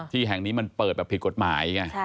ที่แห่งนี้มันเปิดแบบผิดกฎหมายไง